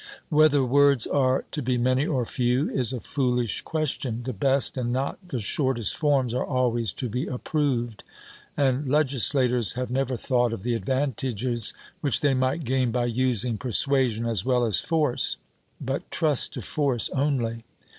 Whether words are to be many or few, is a foolish question: the best and not the shortest forms are always to be approved. And legislators have never thought of the advantages which they might gain by using persuasion as well as force, but trust to force only.